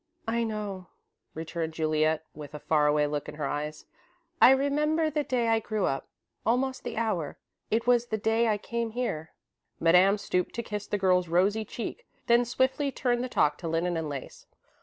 "I know," returned Juliet, with a far away look in her eyes. "I remember the day I grew up almost the hour. It was the day I came here." Madame stooped to kiss the girl's rosy cheek, then swiftly turned the talk to linen and lace.